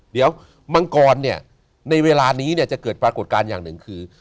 เดี๋ยวมังกรเนี่ยในเวลานี้เนี่ยจะเกิดปรากฏการณ์อย่างหนึ่งคือ